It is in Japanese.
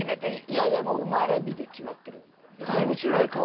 いやいやもう生まれ日で決まってる。